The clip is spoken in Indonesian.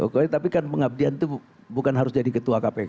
tapi kan pengabdian itu bukan harus jadi ketua kpk